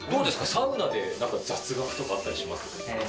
サウナで、なんか雑学とかあったりします？